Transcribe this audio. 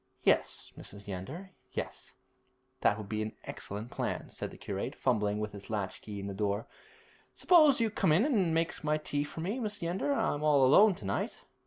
'Yes, Mrs. Yeander, yes; that would be an excellent plan,' said the curate, fumbling with his latch key in the door. 'Suppose you come in and make my tea for me, Mrs. Yeander. I'm all alone to night.'